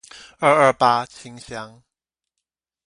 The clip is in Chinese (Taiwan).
二二八清鄉